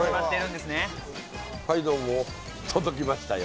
はいどうも届きましたよ